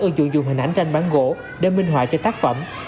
ư dụng dùng hình ảnh tranh bán gỗ để minh họa cho tác phẩm